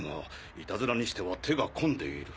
いたずらにしては手が込んでいる。